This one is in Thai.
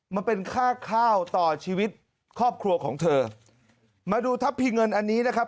มันเป็นค่าข้าวต่อชีวิตครอบครัวของเธอมาดูทัพพีเงินอันนี้นะครับ